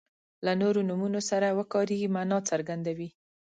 له نورو نومونو سره چې وکاریږي معنا څرګندوي.